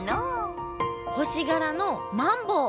星がらのマンボウ！